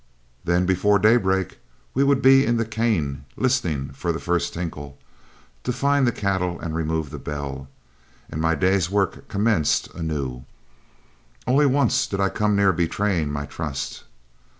Then, before daybreak, we would be in the cane listening for the first tinkle, to find the cattle and remove the bell. And my day's work commenced anew. Only once did I come near betraying my trust.